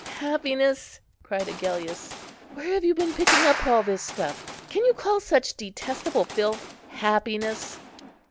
"Happiness!" cried Agellius; "where have you been picking up all this stuff? Can you call such detestable filth happiness?"